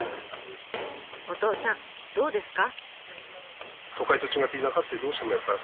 お義父さんどうですか？